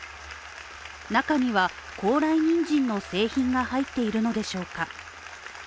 中には高麗人参の製品が入っているのでしょうか。